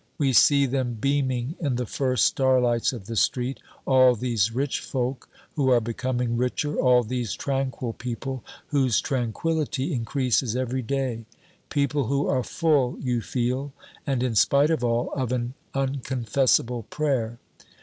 We see them beaming in the first starlights of the street, all these rich folk who are becoming richer, all these tranquil people whose tranquillity increases every day, people who are full, you feel, and in spite of all, of an unconfessable prayer.